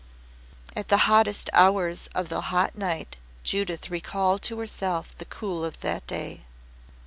At the hottest hours of the hot night Judith recalled to herself the cool of that day.